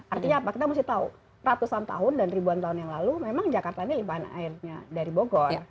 artinya apa kita mesti tahu ratusan tahun dan ribuan tahun yang lalu memang jakarta ini limpahan airnya dari bogor